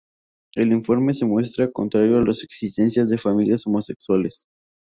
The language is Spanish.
El informe se muestra contrario a la existencia de familias homosexuales.